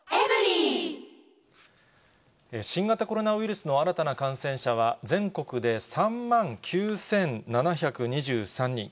新型コロナウイルスの新たな感染者は、全国で３万９７２３人。